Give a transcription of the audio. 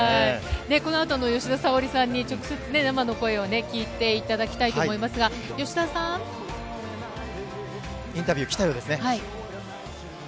このあとの吉田沙保里さんに直接生の声を聞いていただきたいインタビュー、来たようです